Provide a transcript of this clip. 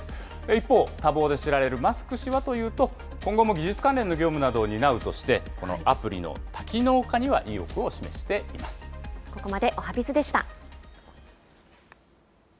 一方、多忙で知られるマスク氏はというと、今後も技術関連の業務などを担うとして、このアプリのここまでおはＢｉｚでした。